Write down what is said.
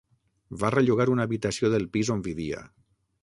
Va rellogar una habitació del pis on vivia.